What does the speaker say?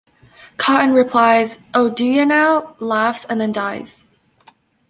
Cotton replies "Oh, do ya, now?," laughs and then dies.